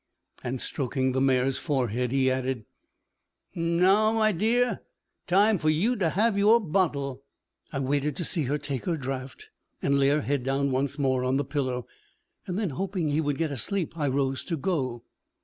And stroking the mare's forehead, he added, 'Now, my dear, time for yu t' 'ave yure bottle.' I waited to see her take her draft, and lay her head down once more on the pillow. Then, hoping he would get a sleep, I rose to go.